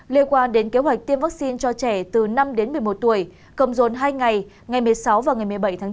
liên quan đến kế hoạch tiêm vaccine cho trẻ từ năm đến một mươi một tuổi cầm dồn hai ngày ngày một mươi sáu và ngày một mươi bảy tháng bốn